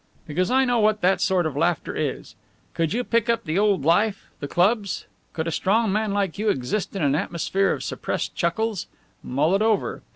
"Because I know what that sort of laughter is. Could you pick up the old life, the clubs? Could a strong man like you exist in an atmosphere of suppressed chuckles? Mull it over.